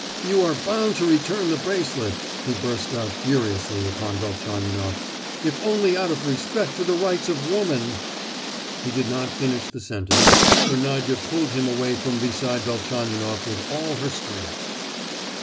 "You are bound to return the bracelet!" he burst out furiously, upon Velchaninoff, "if only out of respect to the rights of woman——" He did not finish the sentence, for Nadia pulled him away from beside Velchaninoff with all her strength.